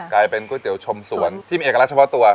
ก๋วยเตี๋ยวชมสวนที่มีเอกลักษณ์เฉพาะตัว